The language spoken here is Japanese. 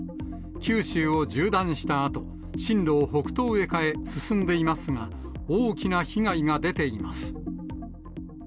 九州を縦断したあと、進路を北東へ変え、進んでいますが、大きな被害が出ています。